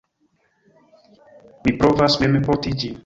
Mi provas mem porti ĝin.